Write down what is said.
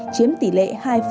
chiếm tỷ lệ hai ba mươi một